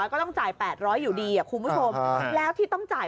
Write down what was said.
ก็ต้องจ่ายแปดร้อยอยู่ดีคุณผู้โทรมแล้วที่ต้องจ่าย